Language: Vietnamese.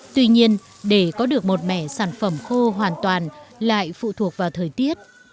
tuy nhiên để có được một mẻ sản phẩm khô hoàn toàn lại phụ thuộc vào thời tiết